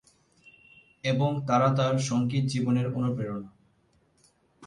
এবং তারা তার সঙ্গীত জীবনের অনুপ্রেরণা।